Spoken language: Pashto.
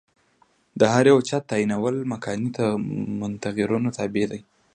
د هر یوه چت تعینول مکاني متغیرونو تابع دي.